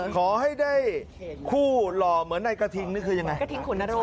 ขอให้ได้คู่หล่อเหมือนนายกระทิงคุณนรุงไง